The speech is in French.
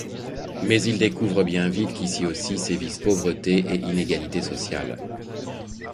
Mais ils découvrent bien vite qu'ici aussi sévissent pauvreté et inégalité sociale.